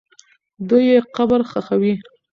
دوی یې قبر ښخوي.